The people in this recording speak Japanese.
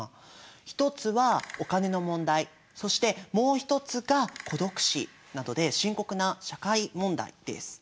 一つはお金の問題そしてもう一つが孤独死などで深刻な社会問題です。